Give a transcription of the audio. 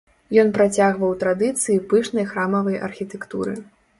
Ён працягваў традыцыі пышнай храмавай архітэктуры.